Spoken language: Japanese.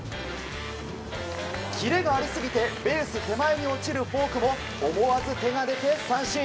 キレがありすぎてベース手前に落ちるフォークも思わず手が出て、三振。